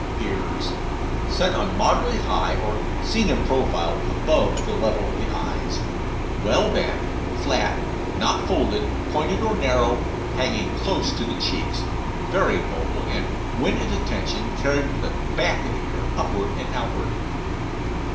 EARS Set on moderately high, or, seen in profile, above the level of the eyes, well back, flat, not folded, pointed, or narrow, hanging close to the cheeks, very mobile, and when at attention carried with the back of the ear upward and outward.